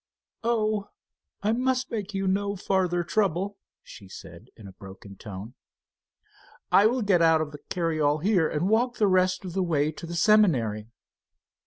"Oh, I must make you no farther trouble," she said, in a broken tone. "I will get out of the carryall here and walk the rest of the way to the seminary."